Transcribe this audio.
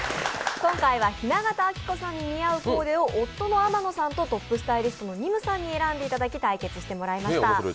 今回は雛形あきこさんに似合うコーデを夫の天野さんとトップスタイリストのＮＩＭＵさんに選んでいただき対決してもらいました。